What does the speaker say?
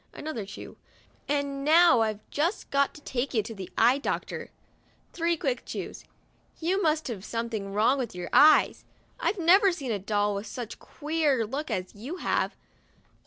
(another chew), " and now I've just got to take you to the eye doctor" (three quick chews). "You must have something wrong with your eyes ; I've never seen a doll with such a queer look as you have."